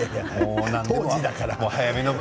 当時だから。